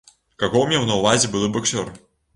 Каго меў на ўвазе былы баксёр?